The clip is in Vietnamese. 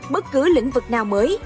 bất cứ lĩnh vực nào mới